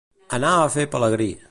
Anar a fer pelagrí.